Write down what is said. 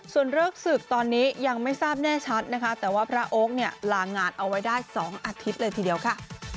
ส่วนเลิกศึกตอนนี้ยังไม่ทราบแน่ชัดนะคะแต่ว่าพระโอ๊คเนี่ยลางานเอาไว้ได้๒อาทิตย์เลยทีเดียวค่ะ